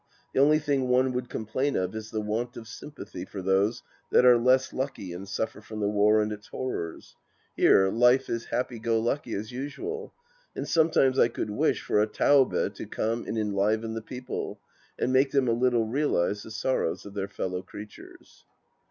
The only thing one would complam of is the want of sympathy for those that are less lucky and suffer from the war and its horrors. Here life is happy go lucky as usual, and some tmies I could wish for a Taube to come and enliven the people, and make them a little realize the sorrows of their fellow creatures.